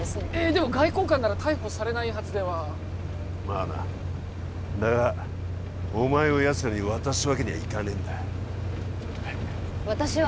でも外交官なら逮捕されないはずではまあなだがお前をやつらに渡すわけにはいかねえんだ私は？